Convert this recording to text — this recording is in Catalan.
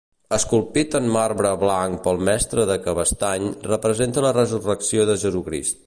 Esculpit en marbre blanc pel Mestre de Cabestany, representa la resurrecció de Jesucrist.